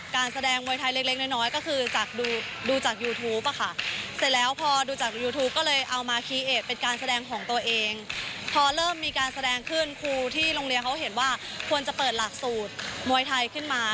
คุณครูที่โรงเรียนเขาเห็นว่าควรจะเปิดหลักสูตรมวยไทยขึ้นมา